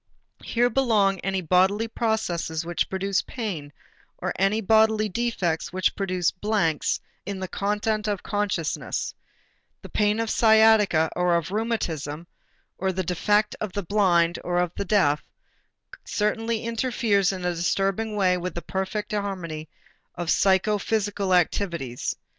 Here belong any bodily processes which produce pain or any bodily defects which produce blanks in the content of consciousness; the pain of sciatica or of rheumatism, or the defect of the blind or of the deaf, certainly interferes in a disturbing way with the perfect harmony of psychophysical activities.